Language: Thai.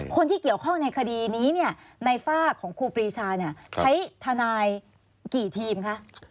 คนที่เกี่ยวข้องในคดีนี้เนี่ยในฝากของครูปรีชาใช้ทนายกี่ทีมคะ